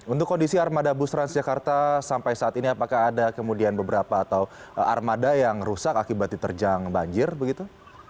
untuk kondisi armada bus transjakarta sampai saat ini apakah ada kemudian beberapa atau armada yang rusak akibat diterjang banjir begitu